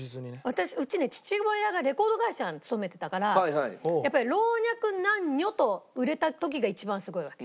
私うちね父親がレコード会社に勤めてたからやっぱり老若男女と売れた時が一番すごいわけ。